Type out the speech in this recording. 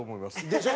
でしょ？